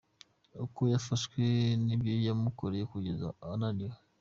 Uko yafashwe n’ibyo yamukoreye kugeza ananiwe:.